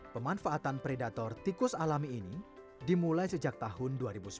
pemanfaatan predator tikus alami ini dimulai sejak tahun dua ribu sepuluh